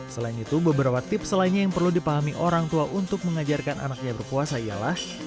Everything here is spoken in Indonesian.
selain itu beberapa tips lainnya yang perlu dipahami orang tua untuk mengajarkan anaknya berpuasa ialah